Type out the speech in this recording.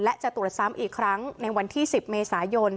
และจะตรวจซ้ำอีกครั้งในวันที่๑๐เมษายน